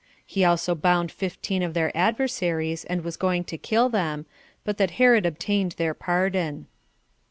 He also bound fifteen of their adversaries, and was going to kill them, but that Herod obtained their pardon.